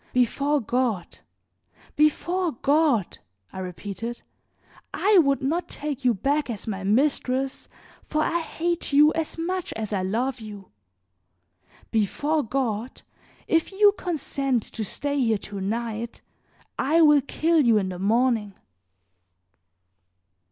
Before God, before God," I repeated, "I would not take you back as my mistress, for I hate you as much as I love you. Before God, if you consent to stay here to night I will kill you in the morning."